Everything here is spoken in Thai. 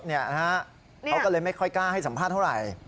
เขาก็เลยไม่ค่อยกล้าให้สัมภาษณ์เท่าไหร่